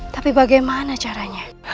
tapi bagaimana caranya